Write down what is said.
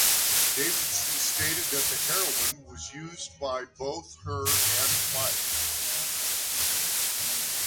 Davidson stated that the heroin was used by both her and Fike.